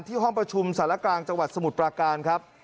ห้องประชุมสารกลางจังหวัดสมุทรปราการครับ